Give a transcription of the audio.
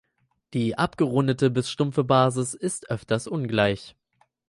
Die abgerundete bis stumpfe Basis ist öfters ungleich.